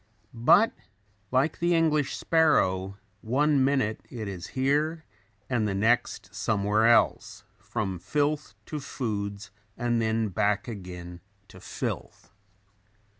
But, like the English sparrow, one minute it is here and the next somewhere else; from filth to foods and then back again to filth.